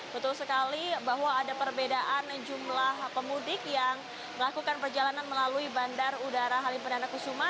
betul sekali bahwa ada perbedaan jumlah pemudik yang melakukan perjalanan melalui bandara udara halim perdana kusuma